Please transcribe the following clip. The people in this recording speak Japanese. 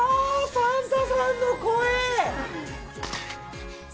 サンタさんの声！